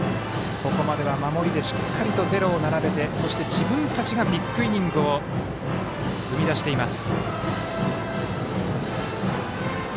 ここまでは、守りでしっかりとゼロを重ねてそして、自分たちがビッグイニングを生み出しています。